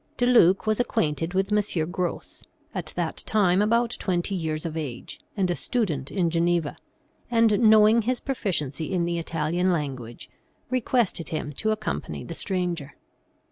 De Luc was ac quainted with M. Gros, at that time about twenty years of age, and a student in Geneva, and knowing his proficiency in the Italian language, requested him to accompany the stranger.